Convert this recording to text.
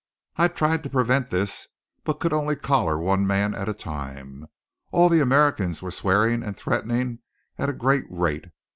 I tried to prevent this, but could only collar one man at a time. All the Americans were swearing and threatening at a great rate.